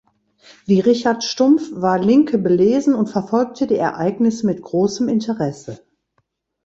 Wie Richard Stumpf war Linke belesen und verfolgte die Ereignisse mit großem Interesse.